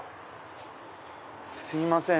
すいません。